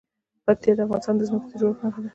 پکتیا د افغانستان د ځمکې د جوړښت نښه ده.